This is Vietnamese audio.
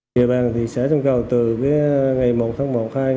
điều bàn thị xã sông cầu từ ngày một tháng một